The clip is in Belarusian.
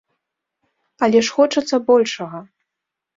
Але ж хочацца большага.